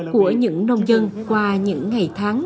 của những nông dân qua những ngày tháng